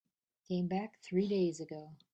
Came back three days ago.